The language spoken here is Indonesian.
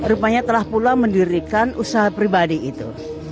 rupanya telah pula mendirikan usaha pribadi itu